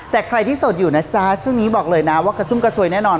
แต่ใครที่โสดอยู่นะจ๊ะช่วงนี้บอกเลยนะว่ากระชุ่มกระชวยแน่นอน